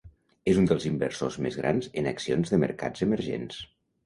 És un dels inversors més grans en accions de mercats emergents.